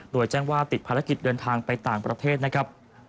โดยแจ้งว่าติดภารกิจเดินทางไปต่างประเทศนะครับ